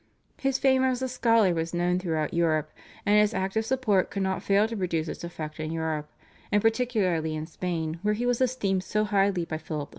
His fame as a scholar was known throughout Europe, and his active support could not fail to produce its effect in Europe, and particularly in Spain where he was esteemed so highly by Philip IV.